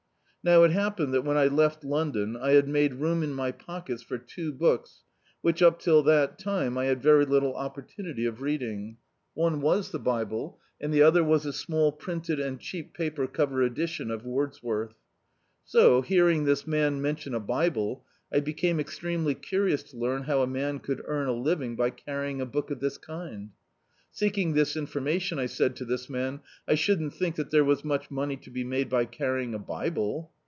Now it happened that when I left London, I had made room in my pockets for two books which, up till that time, I had very little opportunity of reading. One was the bible, and the other was a small printed and cheap paper cover edi titm of Wordsworth. So, hearing this man mentiMi a bible, I became extremely curious to learn how a man could earn a living by carrying a book of this kind. Seeking this infomiation I said to this man — "I shouldn't think that there was much money to be made by carrying a bible."